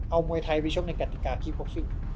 เอามวยไทยไปชกในกฎิกาคลิปโพสซิ่ง